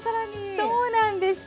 そうなんですよ。